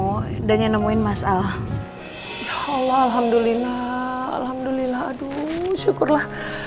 kejadian panggung malam keren ya